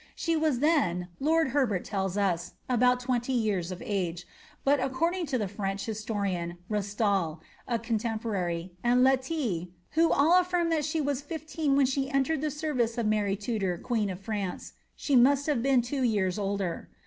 She was then, lord Herbert tells us, about twenty years of age, but according to the French histo rians, Kastal, a contemporary, and Leti (who all affirm that she was fifteen when she entered the service of Mary Tudor queen of France), she must Imve been two years older.